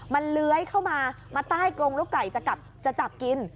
มันเลื้อยเข้ามามาใต้กงลูกไก่จะจับกิน